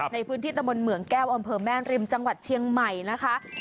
ในพื้นที่ตะมนต์เหมืองแก้วอำเภอแม่ริมจังหวัดเชียงใหม่นะคะ